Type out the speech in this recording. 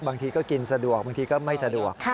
บางทีก็กินสะดวกบางทีก็ไม่สะดวก